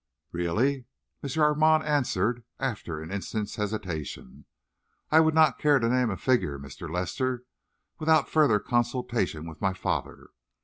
"Really," M. Armand answered, after an instant's hesitation, "I would not care to name a figure, Mr. Lester, without further consultation with my father.